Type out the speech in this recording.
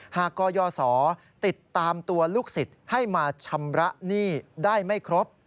กยศติดตามตัวลูกศิษย์ให้มาชำระหนี้ได้ไม่ครบ